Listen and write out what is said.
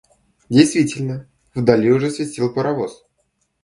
Действительно, вдали уже свистел паровоз.